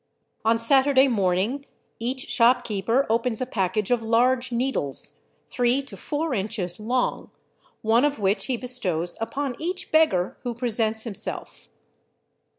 On Saturday morning each shopkeeper opens a package of large needles, three to four inches long, one of which he bestows upon each beggar who presents him self.